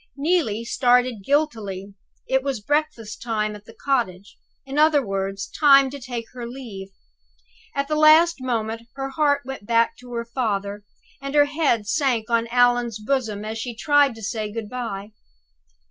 Neelie started guiltily. It was breakfast time at the cottage in other words, time to take leave. At the last moment her heart went back to her father; and her head sank on Allan's bosom as she tried to say, Good by.